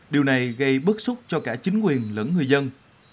điều này gây bức xúc cho cả chính quyền lẫn người dân